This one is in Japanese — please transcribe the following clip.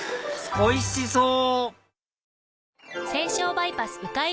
おいしそう！